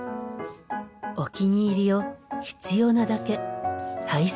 お気に入りを必要なだけ大切に。